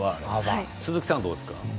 鈴木さんはどうですか？